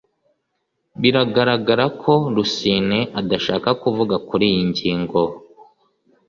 Biragaragara ko Rusine adashaka kuvuga kuriyi ngingo